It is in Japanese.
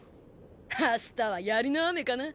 明日は槍の雨かな。